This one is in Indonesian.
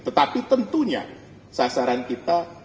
tetapi tentunya sasaran kita